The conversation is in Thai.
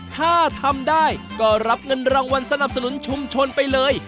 ถ้าทำได้ก็รับเงินรางวัลสนับสนุนชุมชนไปเลย